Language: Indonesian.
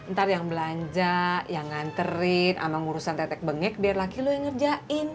ntar yang belanja yang nganterin sama urusan tetek bengek biar laki lo yang ngerjain